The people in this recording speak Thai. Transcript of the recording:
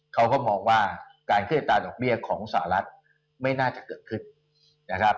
เขาก็มองว่าการขึ้นอัตราดอกเบี้ยของสหรัฐไม่น่าจะเกิดขึ้นนะครับ